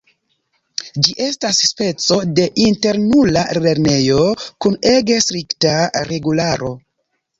Ĝi estas speco de internula lernejo kun ege strikta regularo.